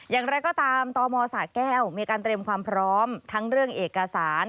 อย่างไรก็ตามตมสะแก้วมีการเตรียมความพร้อมทั้งเรื่องเอกสาร